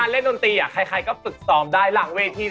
เล่นดนตรีใครก็ฝึกซ้อมได้หลังเวที